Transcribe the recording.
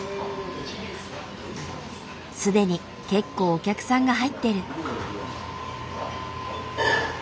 すでに結構お客さんが入ってる。